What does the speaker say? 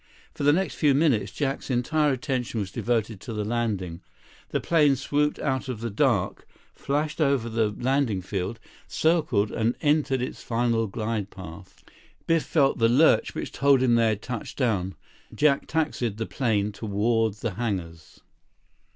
For the next few minutes, Jack's entire attention was devoted to the landing. The plane swooped out of the dark, flashed over the landing field, circled and entered its final glide path. Biff felt the lurch which told him they had touched down. Jack taxied the plane toward the hangars.